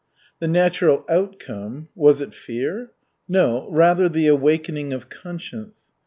The natural outcome was it fear? No, rather the awakening of conscience.